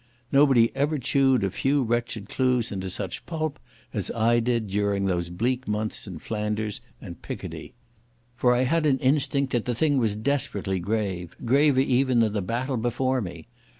Nobody ever chewed a few wretched clues into such a pulp as I did during those bleak months in Flanders and Picardy. For I had an instinct that the thing was desperately grave, graver even than the battle before me.